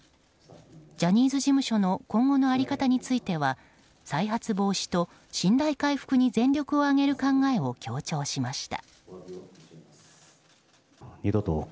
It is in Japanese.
ジャニーズ事務所の今後の在り方については再発防止と信頼回復に全力を挙げる考えを強調しました。